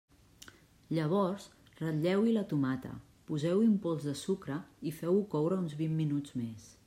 Llavors ratlleu-hi la tomata, poseu-hi un pols de sucre i feu-ho coure uns vint minuts més.